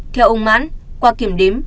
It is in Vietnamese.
theo ông mãn qua kiểm đếm